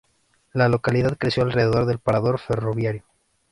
La localidad creció alrededor del parador ferroviario.